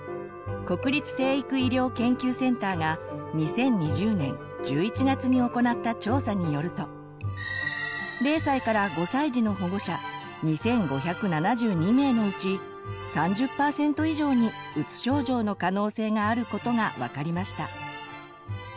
国立成育医療研究センターが２０２０年１１月に行った調査によると０歳から５歳児の保護者２，５７２名のうち３０％以上にうつ症状の可能性があることが分かりました。